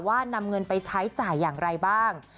นำเงินไปใช้จ่ายอย่างไรบ้าง